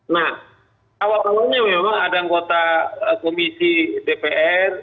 nah awal awalnya memang ada anggota komisi dpr